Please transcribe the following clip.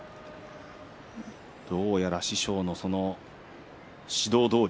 どうやら師匠の指導どおり。